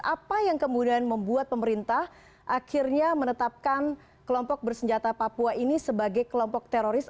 apa yang kemudian membuat pemerintah akhirnya menetapkan kelompok bersenjata papua ini sebagai kelompok teroris